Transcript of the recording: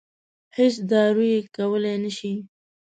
هېڅ دارو یې کولای نه شي.